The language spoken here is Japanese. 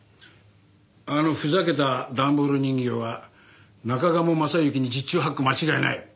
あのふざけた段ボール人形は中鴨昌行に十中八九間違いない。